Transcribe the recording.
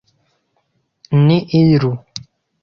Ni iru!